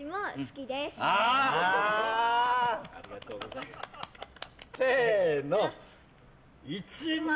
ありがとうございます。